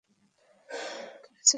বেশির ভাগ বাংকারে ছিল মেশিনগান।